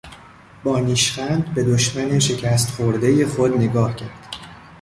با نیشخند به دشمن شکست خوردهی خود نگاه کرد.